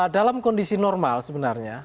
dalam kondisi normal sebenarnya